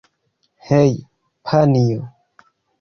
Hej, panjo!